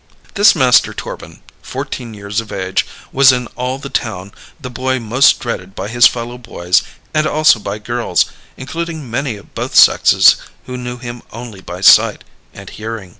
This Master Torbin, fourteen years of age, was in all the town the boy most dreaded by his fellow boys, and also by girls, including many of both sexes who knew him only by sight and hearing.